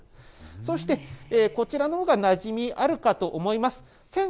そしてこちらのほうがなじみあるかと思います。